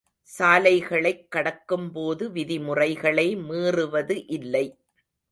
சாலைகளைக் கடக்கும் போது விதிமுறைகளை மீறுவது இல்லை.